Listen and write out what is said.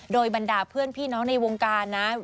โดยบรรดาเพื่อนพี่น้องในวงการนะ